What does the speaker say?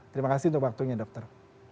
terima kasih untuk waktunya dokter